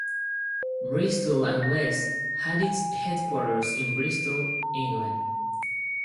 Bristol and West had its headquarters in Bristol, England.